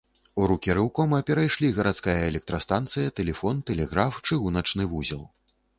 У рукі рэўкома перайшлі гарадская электрастанцыя, тэлефон, тэлеграф, чыгуначны вузел.